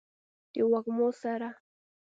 د وږمو سره